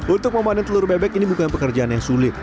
untuk memanen telur bebek ini bukan pekerjaan yang sulit